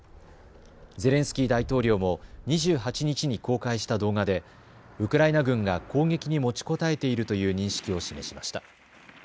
ゼレンスキー大統領も２８日に公開した動画でウクライナ軍が攻撃に持ちこたえているという認識を示しました。